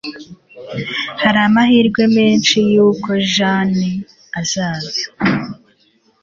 Hari amahirwe menshi yuko Jane azaza